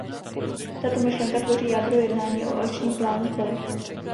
Tato myšlenka tvoří jádro jednání o akčním plánu z Bali.